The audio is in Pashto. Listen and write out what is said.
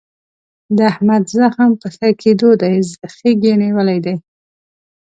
د احمد زخم په ښه کېدو دی. خیګ یې نیولی دی.